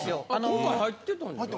今回入ってたんちゃう？